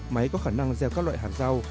máy có khả năng gieo các loại hạt rau